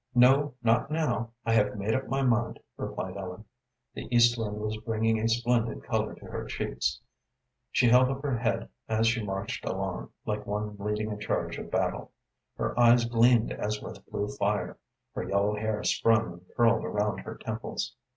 "No, not now. I have made up my mind," replied Ellen. The east wind was bringing a splendid color to her cheeks. She held up her head as she marched along, like one leading a charge of battle. Her eyes gleamed as with blue fire, her yellow hair sprung and curled around her temples.